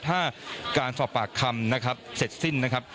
ถ้าการสอบปากคำนะครับเสร็จสิ้นนะครับ